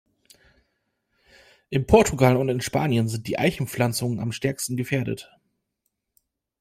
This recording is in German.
In Portugal und in Spanien sind die Eichenpflanzungen am stärksten gefährdet.